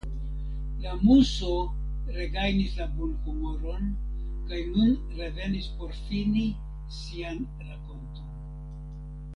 La Muso regajnis la bonhumoron kaj nun revenis por fini sian rakonton.